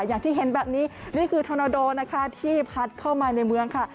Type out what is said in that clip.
อย่างที่เห็นแบบนี้นี่คือธนโดนะคะที่พัดเข้ามาในเมืองค่ะ